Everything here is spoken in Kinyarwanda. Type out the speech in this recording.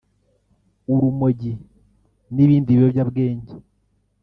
urumogi n’ibindi biyobyabwenge